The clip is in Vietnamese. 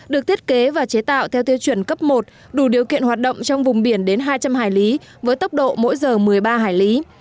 được thiết kế và chế tạo theo tiêu chuẩn cấp một đủ điều kiện hoạt động trong vùng biển đến hai trăm linh hải lý với tốc độ mỗi giờ một mươi ba hải lý